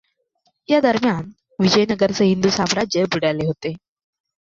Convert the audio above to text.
याच दरम्यान विजयनगरचे हिंदू साम्राज्य बुडाले होते.